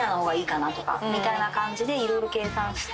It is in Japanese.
みたいな感じで色々計算して。